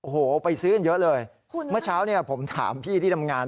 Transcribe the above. โอ้โหไปซื้อกันเยอะเลยเมื่อเช้าเนี่ยผมถามพี่ที่ทำงาน